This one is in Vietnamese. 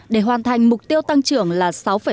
để hoàn thành mục tiêu tăng trưởng là sáu ba sáu năm